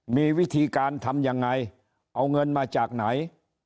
มีวิธีการทำยังไงเอาเงินมาจากไหน